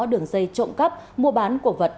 đường dây trộm cắp mua bán cổ vật